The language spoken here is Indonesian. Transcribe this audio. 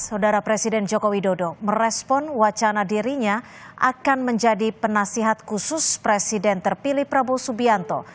saudara presiden joko widodo merespon wacana dirinya akan menjadi penasihat khusus presiden terpilih prabowo subianto